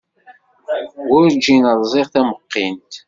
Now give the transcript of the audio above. Warǧin ṛziɣ tamuqint.